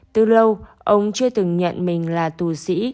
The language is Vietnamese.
từ lâu ông chưa từng nhận mình là tù sĩ